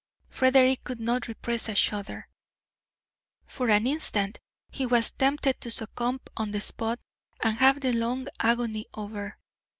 Frederick could not repress a shudder. For an instant he was tempted to succumb on the spot and have the long agony over.